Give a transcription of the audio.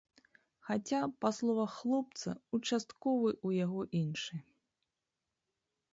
Хаця, па словах хлопца, участковы ў яго іншы.